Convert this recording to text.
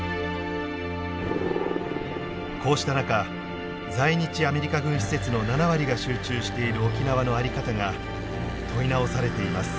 こうした中在日アメリカ軍施設の７割が集中している沖縄の在り方が問い直されています。